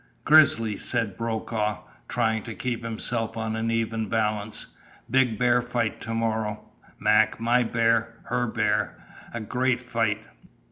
"Grizzly," said Brokaw, trying to keep himself on an even balance. "Big bear fight to morrow, Mac. My bear her bear a great fight!